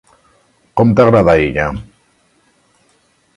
Com t'agrada ella?